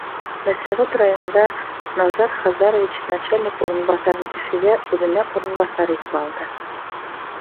Мәсәғүт районында Назар Хазарович начальник урынбаҫарын Өфөгә, үҙенә урынбаҫар итеп алды.